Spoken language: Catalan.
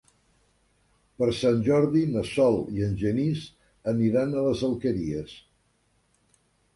Per Sant Jordi na Sol i en Genís aniran a les Alqueries.